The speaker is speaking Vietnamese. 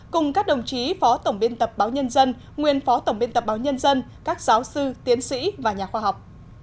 cùng các đồng chí phó tổng biên tập báo nhân dân nguyên phó tổng biên tập báo nhân dân các giáo sư tiến sĩ và nhà khoa học